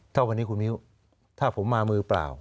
ถ้าวันนี้คุณมิ้วถ้าผมมามือเปล่า